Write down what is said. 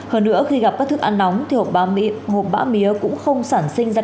hơn nữa khi gặp các thức ăn nóng thì hộp bã mía cũng không sản sinh ra